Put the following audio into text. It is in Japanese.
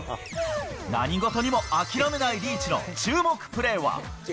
何事にも諦めないリーチの注目プレーは。